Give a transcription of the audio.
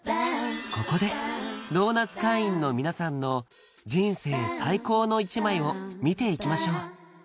ここでドーナツ会員の皆さんの人生最高の１枚を見ていきましょう！